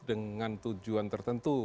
dengan tujuan tertentu